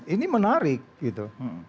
ini menarik gitu